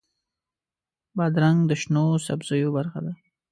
بادرنګ د شنو سبزیو برخه ده.